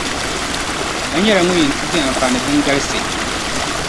A nyɛla ŋun yɛn ti di anfaani din galisi.